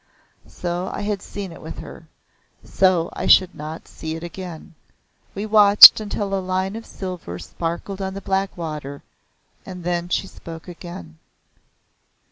So I had seen it with her. So I should not see it again. We watched until a line of silver sparkled on the black water, and then she spoke again.